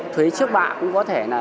thuế trước bạ cũng có thể là